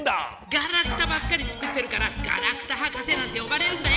ガラクタばっかり作ってるからガラクタ博士なんてよばれるんだよ！